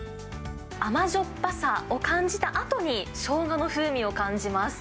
甘じょっぱさを感じたあとに、しょうがの風味を感じます。